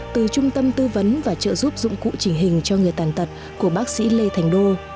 từ trung tâm tư vấn và trợ giúp dụng cụ trình hình cho người tàn tật của bác sĩ lê thành đô